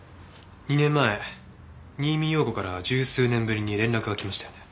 ２年前新見陽子から十数年ぶりに連絡が来ましたよね？